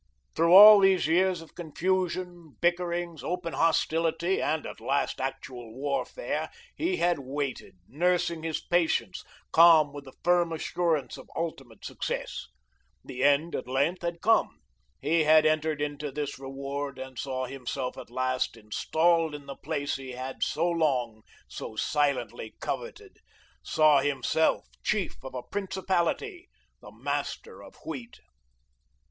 Through all these years of confusion, bickerings, open hostility and, at last, actual warfare he had waited, nursing his patience, calm with the firm assurance of ultimate success. The end, at length, had come; he had entered into his reward and saw himself at last installed in the place he had so long, so silently coveted; saw himself chief of a principality, the Master of the Wheat.